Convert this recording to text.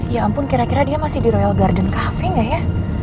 ya ampun kira kira dia masih di royal garden cafe gak ya